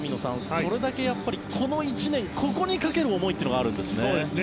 それだけこの１年ここにかける思いというのがあるんですね。